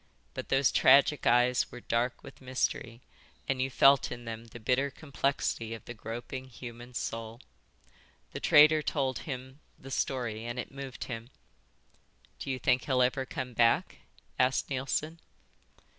But those tragic eyes were dark with mystery, and you felt in them the bitter complexity of the groping, human soul. The trader told him the story and it moved him. "Do you think he'll ever come back?" asked Neilson.